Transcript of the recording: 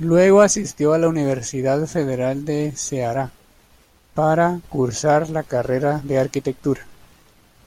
Luego asistió a la Universidad Federal de Ceará, para cursar la carrera de arquitectura.